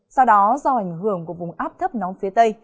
sau đó do ảnh hưởng của vùng áp thấp nóng phía tây